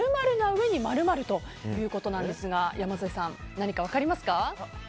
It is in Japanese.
うえに○○ということですが山添さん、何か分かりますか？